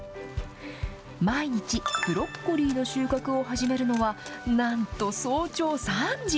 毎日ブロッコリーの収穫を始めるのは、なんと早朝３時。